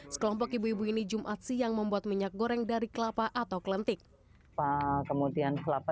sekelompok ibu ibu ini jumat siang membuat minyak goreng dari kelapa atau klentik kemudian kelapa